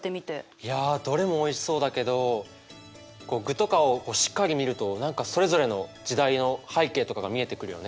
いやどれもおいしそうだけど具とかをしっかり見ると何かそれぞれの時代の背景とかが見えてくるよね。